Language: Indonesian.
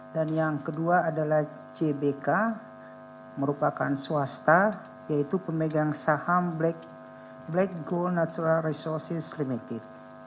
dan yang kedua adalah cbk merupakan swasta yaitu pemegang saham black gold natural resources limited